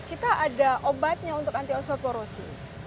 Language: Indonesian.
kita ada obatnya untuk anti osteoporosis